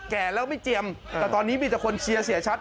แก่แล้วไม่เจียมแต่ตอนนี้มีแต่คนเชียร์เสียชัด